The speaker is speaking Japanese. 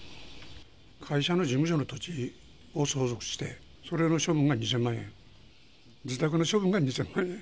会社の事務所の土地を相続して、それの処分が２０００万円、自宅の処分が２０００万円。